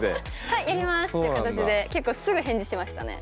「はいやります」って形で結構すぐ返事しましたね。